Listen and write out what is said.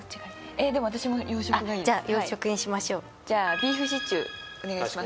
えっでも私も洋食がいいじゃあ洋食にしましょうじゃあビーフシチューお願いします